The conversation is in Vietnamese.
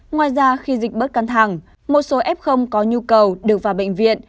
ngoài ra khi dịch bớt căng thẳng một số f có nhu cầu được vào bệnh viện